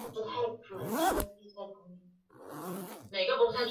而乔布斯本人也承认了该电脑的确是以女儿的名字命名的。